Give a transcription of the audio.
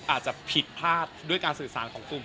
อาจจะผิดพลาดด้วยการสื่อสารของกลุ่ม